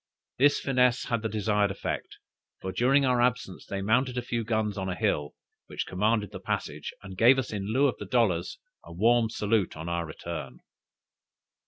This finesse had the desired effect, for during our absence they mounted a few guns on a hill, which commanded the passage, and gave us in lieu of the dollars, a warm salute on our return.